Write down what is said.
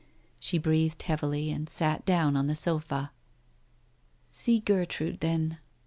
... She breathed heavily and sat down on the sofa. ... "See Gertrude, then.